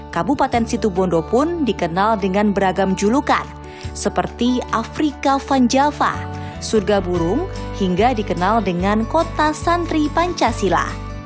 kabupaten situbondo pun dikenal dengan beragam julukan seperti afrika vanjalva surga burung hingga dikenal dengan kota santri pancasila